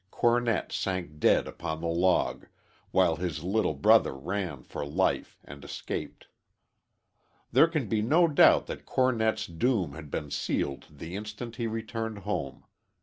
Cornett sank dead upon the log, while his little brother ran for life and escaped. There can be no doubt that Cornett's doom had been sealed the instant he returned home.